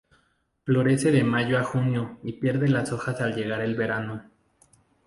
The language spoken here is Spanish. Florece de mayo a junio y pierde las hojas al llegar el verano.